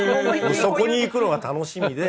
そこに行くのが楽しみで。